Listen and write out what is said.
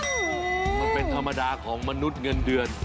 มันเป็นธรรมดาของมนุษย์เงินเดือน